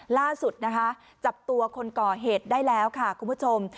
ล่าสุดนะคะจับตัวคนก่อเหตุได้แล้วค่ะคุณผู้ชม